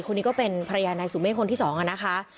คนนี้ก็เป็นภรรยานายสุเมฆคนที่สองอ่ะนะคะ